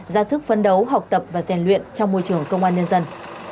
ra sức phấn đấu học tập và rèn luyện trong môi trường công an nhân dân